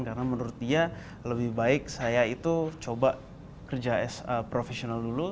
karena menurut dia lebih baik saya itu coba kerja as a professional dulu